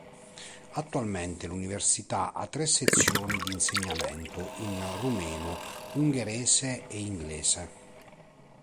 Attualmente l'Università ha tre sezioni di insegnamento in rumeno, ungherese e inglese.